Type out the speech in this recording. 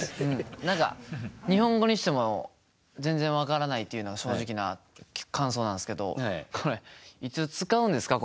何か日本語にしても全然分からないっていうのが正直な感想なんですけどこれいつ使うんですか？